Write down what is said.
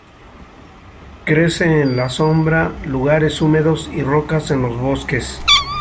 Crecen en la sombra, lugares húmedos y rocas en los bosques.